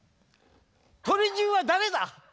鳥人は誰だ？